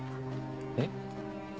えっ？